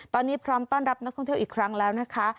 ตอนนี้พร้อมต้อนรับนักท่องเที่ยวอีกครั้งแล้วนะคะ